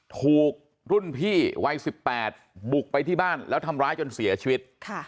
ถูกรุ่นพี่วัย๑๘บุกไปที่บ้านแล้วทำร้ายจนเสียชีวิต